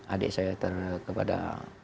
adik saya terhadap